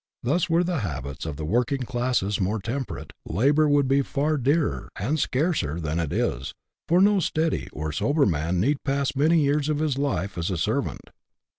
Thus, were the habits of the working classes more temperate, labour would be far dearer and scarcer than it is, for no steady or sober man need pass many years of his life as a servant.